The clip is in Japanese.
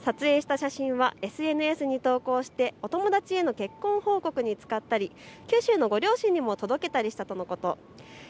撮影した写真はＳＮＳに投稿してお友達への結婚報告に使ったり九州のご両親にも届けたりしたとのこと。